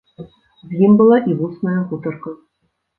З ім была і вусная гутарка.